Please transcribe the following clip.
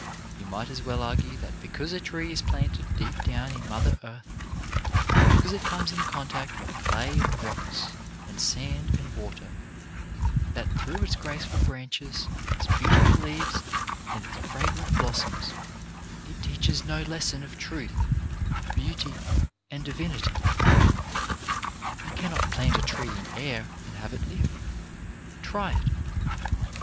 You might as well argue that because a tree is planted deep down in Mother Earth, because it comes in contact with clay, and rocks, and sand, and water, that through its graceful branches, its beautiful leaves and its fragrant blossoms it teaches no lesson of truth, beauty and divinity. You cannot plant a tree in air and have it live. Try it.